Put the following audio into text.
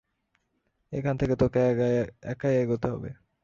এখান থেকে তোকে একাই এগোতে হবে।